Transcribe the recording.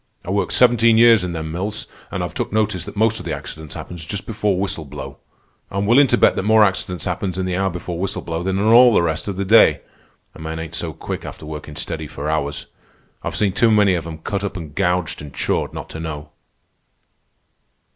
I worked seventeen years in them mills, an' I've took notice that most of the accidents happens just before whistle blow. I'm willin' to bet that more accidents happens in the hour before whistle blow than in all the rest of the day. A man ain't so quick after workin' steady for hours. I've seen too many of 'em cut up an' gouged an' chawed not to know."